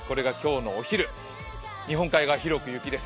お昼、日本海側広く雪です。